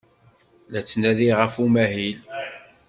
La ttnadiɣ ɣef umahil.